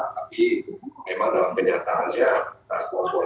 tapi memang dalam kenyataan ya kelas komponen